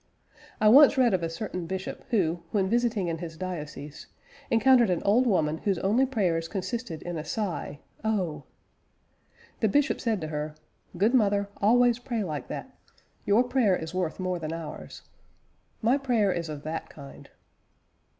I once read of a certain bishop, who, when visiting in his diocese, encountered an old woman whose only prayers consisted in a sigh 'Oh!' The bishop said to her, 'Good mother, always pray like that; your prayer is worth more than ours.' My prayer is of that kind."